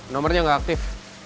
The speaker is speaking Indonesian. nomornya gak aktif